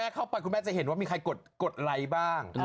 เข้าไปคุณแม่จะเห็นว่ามีใครกดไลค์บ้าง